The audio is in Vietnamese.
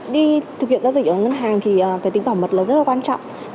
đi thực hiện giao dịch ở ngân hàng thì tính bảo mật rất quan trọng